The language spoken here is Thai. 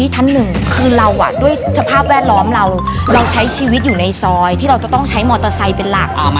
ท่านหนึ่งคือเราอ่ะด้วยสภาพแวดล้อมเราเราใช้ชีวิตอยู่ในซอยที่เราจะต้องใช้มอเตอร์ไซค์เป็นหลัก